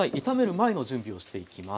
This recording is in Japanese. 前の準備をしていきます。